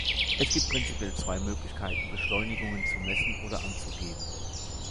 Es gibt prinzipiell zwei Möglichkeiten, Beschleunigungen zu messen oder anzugeben.